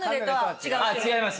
違います